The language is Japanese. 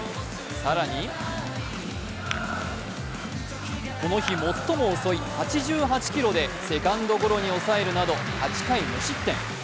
更にこの日最も遅い８８キロでセカンドゴロに抑えるなど８回無失点。